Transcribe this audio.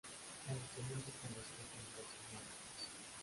El instrumento es conocido con diversos nombres.